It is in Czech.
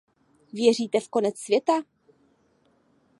Věříte v konec světa?